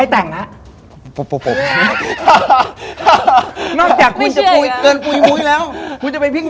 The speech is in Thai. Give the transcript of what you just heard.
ทีชื่อเพลง